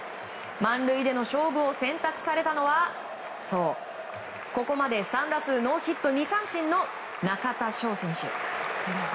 満塁での勝負を選択されたのはそう、ここまで３打数ノーヒット２三振の中田翔選手。